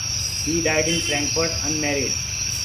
He died in Frankfurt, unmarried.